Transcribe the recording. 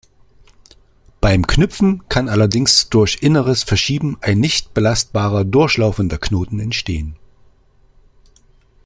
Beim Knüpfen kann allerdings durch inneres Verschieben ein nicht belastbarer, durchlaufender Knoten entstehen.